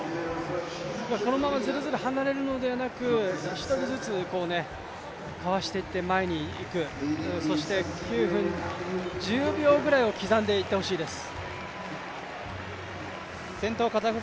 このままずるずる離れるのではなく１人ずつかわしていって前に行く、そして９分１０秒ぐらいを刻んでいってほしいです。